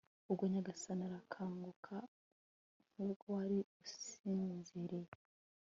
ubwo nyagasani arakanguka, nk'uwari usinziriye